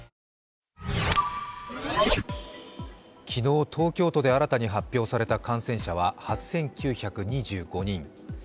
昨日、東京都で新たに発表された感染者は８９２５人。